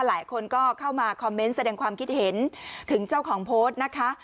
หลายคนก็เข้ามาคอมเมนต์แสดงความคิดเห็นถึงเจ้าของโพสต์นะคะ